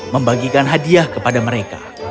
membagikan hadiah kepada mereka